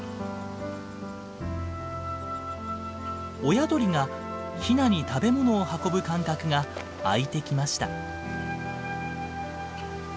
親鳥がヒナに食べ物を運ぶ間隔が空いてきました。